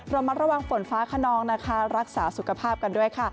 ระมัดระวังฝนฟ้าขนองนะคะรักษาสุขภาพกันด้วยค่ะ